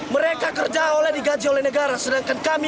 mereka kerja oleh digaji oleh negara sedangkan kami